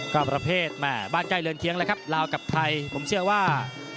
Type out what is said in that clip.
ก็ประเภทแม่บ้านใกล้เรือนเคียงแล้วครับลาวกับไทยผมเชื่อว่า